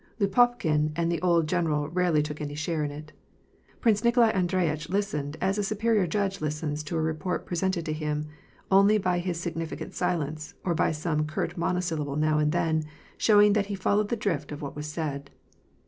Lopukhin and the old general rarely took any share in it. Prince Nikolai Andreyitch lis tened as a superior judge listens to a report presented to him, only by his significant silence, or by some curt monosyllable now and then, showing that he followed the drift of what was said.